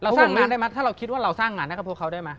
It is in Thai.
สร้างงานได้ไหมถ้าเราคิดว่าเราสร้างงานให้กับพวกเขาได้ไหม